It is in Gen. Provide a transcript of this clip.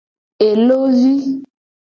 Elo vi.